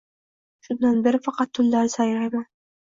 Shundan beri faqat tunlari sayrayman